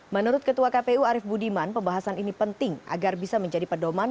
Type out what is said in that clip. menurut ketua kpu arief budiman pembahasan ini penting agar bisa menjadi pedoman